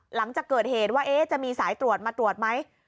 หลังจากเกิดเหตุว่าจะมีสายตรวจมาตรวจไหม